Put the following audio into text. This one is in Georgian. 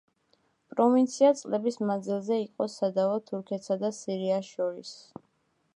პროვინცია წლების მანძილზე იყო სადავო თურქეთსა და სირიას შორის.